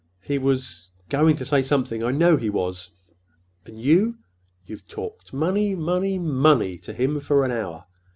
He was—was going to say something—I know he was. And you? You've talked money, money, money to him for an hour.